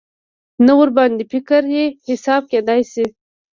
نه ورباندې فکري حساب کېدای شي.